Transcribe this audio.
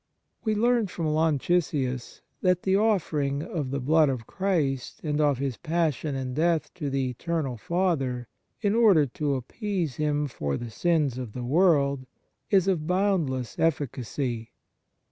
We learn from Lancisius that the offering of the Blood of Christ and of His Passion and Death to the Eternal Father, in order to appease Him for the sins of ;the world, is of bound less efficacy.